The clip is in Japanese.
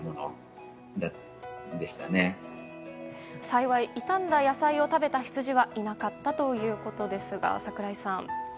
幸い、傷んだ野菜を食べたヒツジはいなかったということですが櫻井さん。